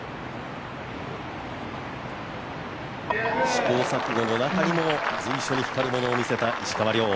試行錯誤の中にも随所に光るものを見せた石川遼。